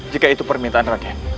jika itu permintaan raden